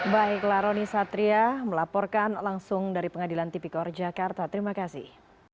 baiklah roni satria melaporkan langsung dari pengadilan tipikor jakarta terima kasih